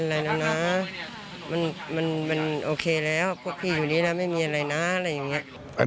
มันมันมันโอเคแล้วพวกพี่อยู่นี้แล้วไม่มีอะไรน่ะอะไรอย่างเงี้ย